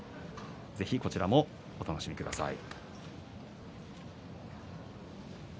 ぜひこちらもお楽しみください。